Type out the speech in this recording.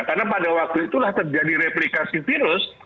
karena pada waktu itulah terjadi replikasi virus